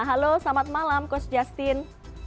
halo selamat malam coach justin